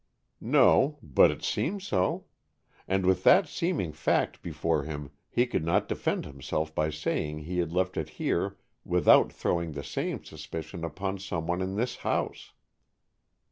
"No, but it seemed so. And with that seeming fact before him, he could not defend himself by saying he had left it here without throwing the same suspicion upon someone in this house."